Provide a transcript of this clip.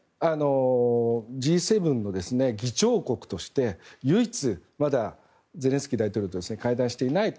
Ｇ７の議長国として唯一まだゼレンスキー大統領と会談していないと。